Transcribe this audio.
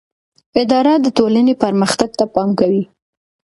اداره د ټولنې پرمختګ ته پام کوي.